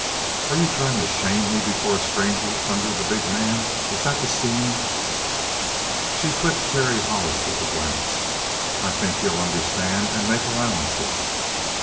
"Are you trying to shame me before a stranger?" thundered the big man. "Is that the scene?" She flicked Terry Hollis with a glance. "I think he'll understand and make allowances."